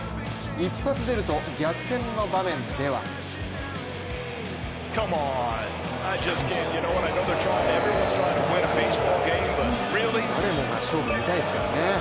一発出ると逆転の場面では誰もが勝負見たいですからね。